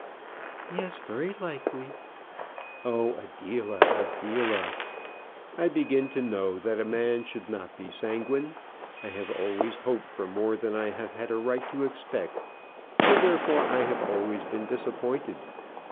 "Yes; very likely." Oh, Adela, Adela! "I begin to know that a man should not be sanguine. I have always hoped for more than I have had a right to expect, and, therefore, I have always been disappointed.